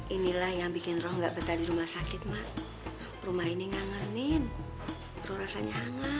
inilah yang bikin roh enggak betul di rumah sakit rumah ini ngangin rasanya